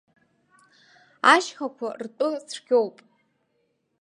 Ашьхақәа ртәы цәгьоуп.